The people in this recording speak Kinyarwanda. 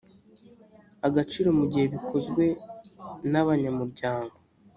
agaciro mu gihe bikozwe n abanyamuryango